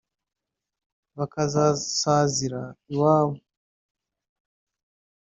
bakazasazira iwabo